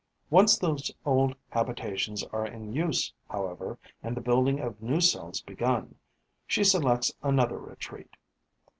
Once those old habitations are in use, however, and the building of new cells begun, she selects another retreat.